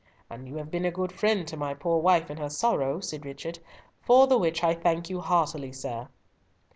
"And you have been a good friend to my poor wife in her sorrow," said Richard, "for the which I thank you heartily, sir."